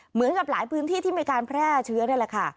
เหมือนกับหลายพื้นที่ที่มีการแพร่เชื้อนี่แหละค่ะ